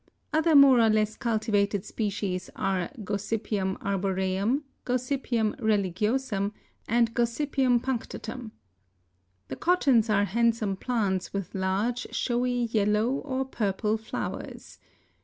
Other more or less cultivated species are G. arboreum, G. religiosum and G. punctatum. The cottons are handsome plants with large, showy yellow or purple flowers.